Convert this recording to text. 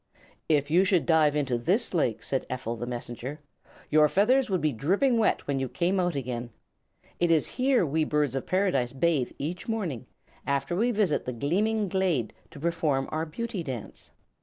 "If you should dive into this lake," said Ephel the Messenger, "your feathers would be dripping wet when you came out again. It is here we Birds of Paradise bathe each morning, after which we visit the Gleaming Glade to perform our Beauty Dance."